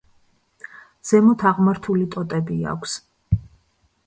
ზემოთ აღმართული ტოტები აქვს.